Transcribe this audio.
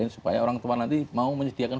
supaya orang tua nanti mau menyediakan